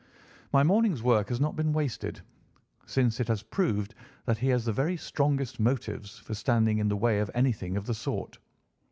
My morning's work has not been wasted, since it has proved that he has the very strongest motives for standing in the way of anything of the sort.